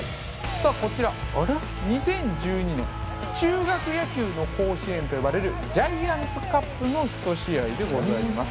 さぁこちら２０１２年中学野球の甲子園と呼ばれるジャイアンツカップのひと試合でございます。